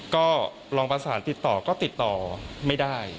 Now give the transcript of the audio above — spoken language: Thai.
ก็ลองประสานติดต่อก็ติดต่อไม่ได้